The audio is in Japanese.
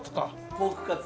ポークカツ。